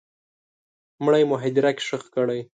مړی مو هدیره کي ښخ کړی